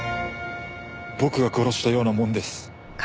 僕が殺したようなものです。